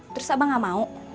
terus abang gak mau